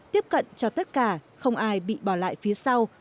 tiếp cận cho tất cả không ai bị bỏ lại phía sau